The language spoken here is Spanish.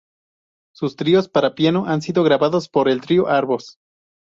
Sus tríos para piano han sido grabados por el Trío Arbós.